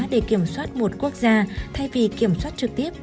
để kiểm soát một quốc gia thay vì kiểm soát trực tiếp